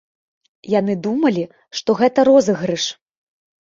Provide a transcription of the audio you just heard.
Яны думалі, што гэта розыгрыш.